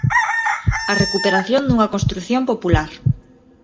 A recuperación dunha construción popular.